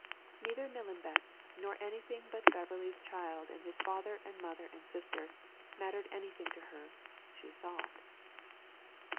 Neither Millenbeck, nor anything but Beverley's child and his father and mother and sister, mattered anything to her, she thought.